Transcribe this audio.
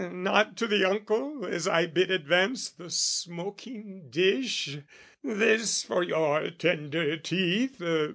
Nod to the uncle, as I bid advance The smoking dish, "This, for your tender teeth!